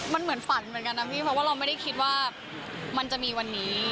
มันเหมือนฝันเหมือนกันนะพี่เพราะว่าเราไม่ได้คิดว่ามันจะมีวันนี้